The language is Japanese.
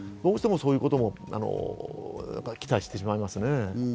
どうしてもそういうことを期待してしまいますね。